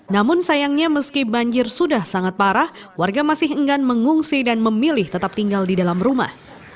namun sayangnya meski banjir sudah sangat parah warga masih enggan mengungsi dan memilih tetap tinggal di dalam rumah